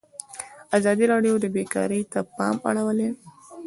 ازادي راډیو د بیکاري ته پام اړولی.